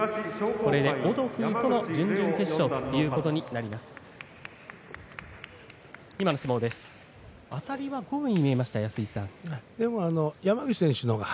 これでオドフーとの準々決勝ということになります。